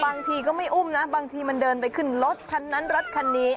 บางทีก็ไม่อุ้มนะบางทีมันเดินไปขึ้นรถคันนั้นรถคันนี้